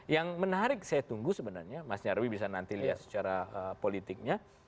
yang menarik saya tunggu sebenarnya mas nyarwi bisa nanti lihat secara politiknya